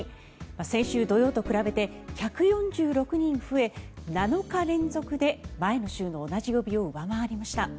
先週土曜と比べて１４６人増え７日連続で前の週の同じ曜日を上回りました。